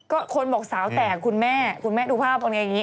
ก็คนบอกสาวแตกคุณแม่คุณแม่ดูภาพเอาไงอย่างนี้